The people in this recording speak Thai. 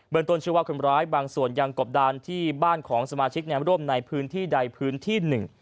เบิร์นตัวชีววะคนร้ายบางส่วนยังกบดันที่บ้านของสมาชิกแนมร่วมในพื้นที่ใดพื้นที่๑